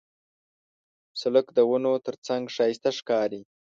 سړک د ونو ترڅنګ ښایسته ښکاري.